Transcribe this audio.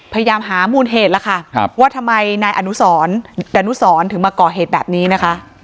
พยายามหามูลเหตุแล้วค่ะว่าทำไมนายอนุสรดานุสรถึงมาก่อเหตุแบบนี้นะคะ